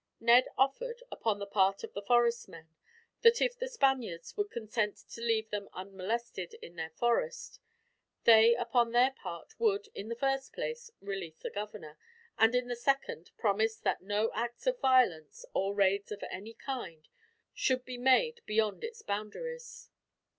Ned offered, upon the part of the forest men, that if the Spaniards would consent to leave them unmolested in their forest; they upon their part would, in the first place, release the governor, and in the second, promise that no acts of violence, or raids of any kind, should be made beyond its boundaries.